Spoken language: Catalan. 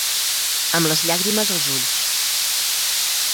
Amb les llàgrimes als ulls.